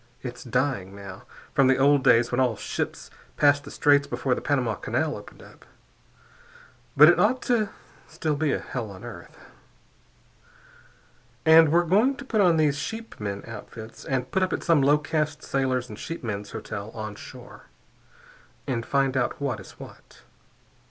It's dying, now, from the old days when all ships passed the Straits before the Panama Canal opened up, but it ought to be still a hell on earth. And we're going to put on these sheepmen outfits, and put up at some low caste sailors' and sheepmen's hotel on shore, and find out what is what.